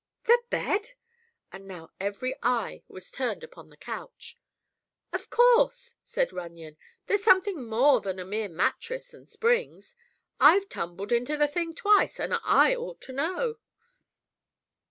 "The bed!" And now every eye was turned upon the couch. "Of course," said Runyon. "There's something more than a mere mattress and springs. I've tumbled onto the thing twice, and I ought to know."